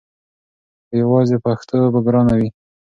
خو یواځې پښتو به ګرانه وي!